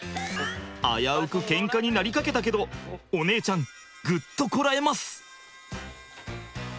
危うくケンカになりかけたけどお姉ちゃんぐっとこらえます。